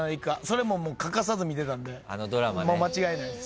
それも欠かさず見てたんで間違えないです。